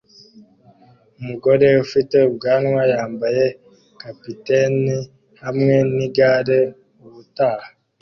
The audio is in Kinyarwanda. Umugabo ufite ubwanwa yambaye capitaine hamwe nigare ubutaha